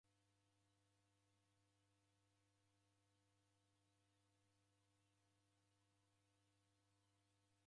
Majibu ghinekelo ni m'baa wa iyo wizara gheshinua aw'o w'andu.